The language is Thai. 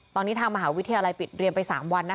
ตอนนี้ทางมหาวิทยาลัยปิดเรียนไป๓วัน